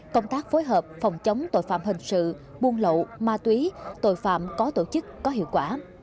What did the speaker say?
công tác phối hợp phòng chống tội phạm hình sự buôn lậu ma túy tội phạm có tổ chức có hiệu quả